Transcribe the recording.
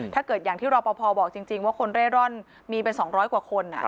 ถ้าเกิดอย่างที่เราพอบอกจริงว่าคนเร่ร่อนมีเป็น๒๐๐กว่าคน